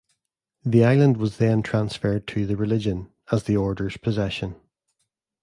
The island was then transferred to the Religion, as the Order's possession.